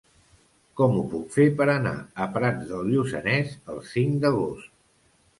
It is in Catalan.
Com ho puc fer per anar a Prats de Lluçanès el cinc d'agost?